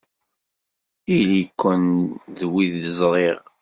Ili-ken d wid ẓriɣ!